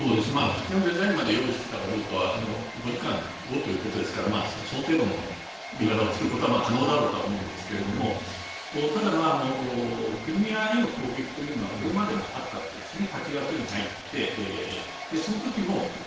切手のデザインまで用意していたかどうかは５時間後ということですからその程度の時間を作ることは可能だと思うんですがただクリミアへの攻撃というのはこれまでもあったわけですね。